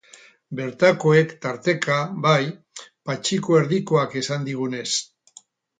Bertakoek, tarteka, bai, Patxiku Erdikoak esan digunez.